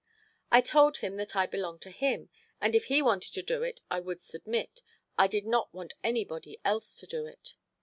I told him that I belonged to him, and if he wanted to do it I would submit—I did not want anybody else to do it.